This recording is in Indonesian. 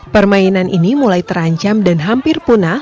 permainan ini mulai terancam dan hampir punah